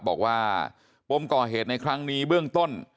บอกว่าปมก่อเหตุในครั้งนี้เบื้องต้น